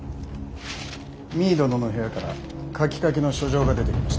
実衣殿の部屋から書きかけの書状が出てきました。